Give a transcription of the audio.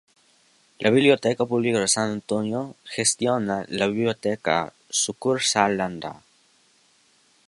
La Biblioteca Pública de San Antonio gestiona la Biblioteca Sucursal Landa.